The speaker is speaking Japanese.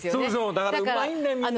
だからうまいんだよみんな。